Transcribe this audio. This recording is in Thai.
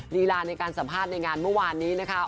ลีลาในการสัมภาษณ์ในงานเมื่อวานนี้นะคะ